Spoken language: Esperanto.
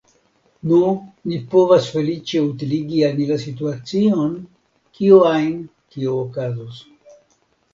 Nu, ni povas feliĉe utiligi al ni la situacion, kio ajn kio okazos.